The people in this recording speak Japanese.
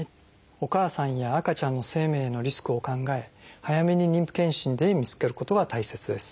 お母さんや赤ちゃんの生命のリスクを考え早めに妊婦健診で見つけることが大切です。